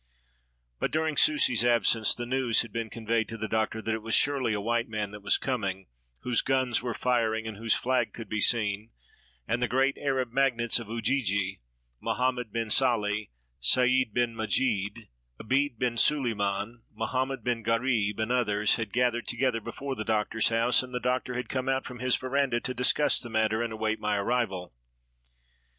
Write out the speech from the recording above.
But, during Susi's absence, the news had been con veyed to the Doctor that it was surely a white man that was coming, whose guns were firing and whose flag could be seen ; and the great Arab magnates of Ujiji — Mo hammed bin SaU, Sayd bin Majid, Abid bin Suliman, Mohammed bin Gharib, and others — had gathered together before the Doctor's house, and the Doctor had come out from his veranda to discuss the matter and await my arrival.